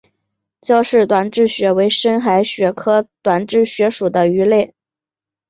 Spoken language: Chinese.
焦氏短稚鳕为深海鳕科短稚鳕属的鱼类。